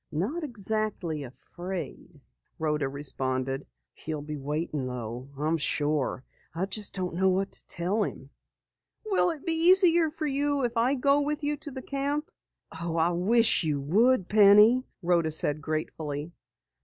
"Not exactly afraid," Rhoda responded. "He'll be waiting though, I'm sure. I just don't know what to tell him." "Will it be easier for you if I go with you to the camp?" "Oh, I wish you would, Penny!" Rhoda said gratefully.